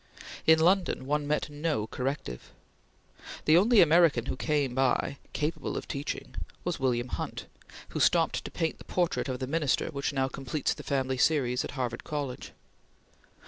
In London one met no corrective. The only American who came by, capable of teaching, was William Hunt, who stopped to paint the portrait of the Minister which now completes the family series at Harvard College.